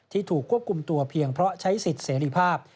ถูกควบคุมตัวเพียงเพราะใช้สิทธิ์เสรีภาพ